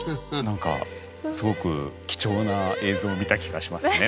何かすごく貴重な映像を見た気がしますね